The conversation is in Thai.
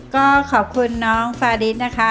ก็ขอบคุณน้องฟาริสนะคะ